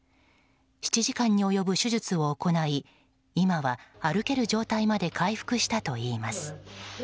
７時間に及ぶ手術を行い今は歩ける状態まで回復したといいます。